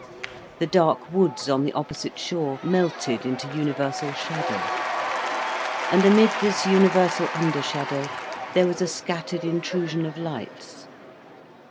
The dark woods on the opposite shore melted into universal shadow. And amid this universal under shadow, there was a scattered intrusion of lights.